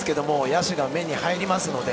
野手が目に入りますので。